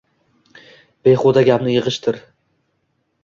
Behuda gapni yig’ishtir.